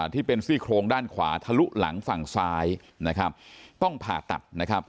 ที่เป็นซี่โครงด้านขวาทะลุหลังฝั่งซ้ายต้องผ่าตัด